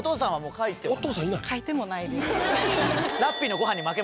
描いてもないです